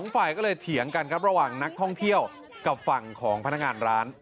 ฝ่ายก็เลยเถียงกันครับระหว่างนักท่องเที่ยวกับฝั่งของพนักงานร้าน